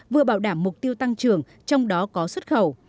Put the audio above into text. vừa bảo đảm mục tiêu tăng trưởng trong đó có xuất khẩu